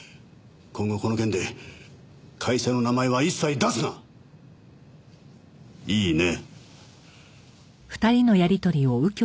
今後この件で会社の名前は一切出すな！いいね？